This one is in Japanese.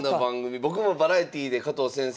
僕もバラエティーで加藤先生